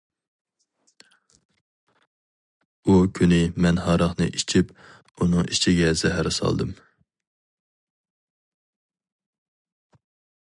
-ئۇ كۈنى مەن ھاراقنى ئېچىپ، ئۇنىڭ ئىچىگە زەھەر سالدىم.